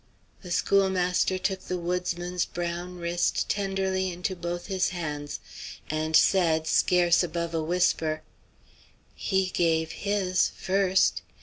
The schoolmaster took the woodsman's brown wrist tenderly into both his hands, and said, scarce above a whisper, "He gave His, first.